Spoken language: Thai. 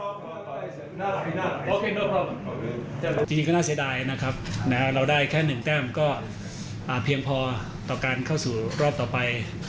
จริงก็น่าเสียดายนะครับเราได้แค่๑แต้มก็เพียงพอต่อการเข้าสู่รอบต่อไป